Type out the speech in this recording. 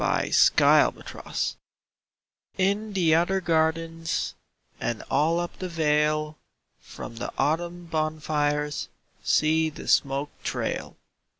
VI Autumn Fires In the other gardens And all up the vale, From the autumn bonfires See the smoke trail!